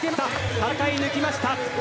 戦い抜きました。